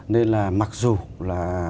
nên là mặc dù là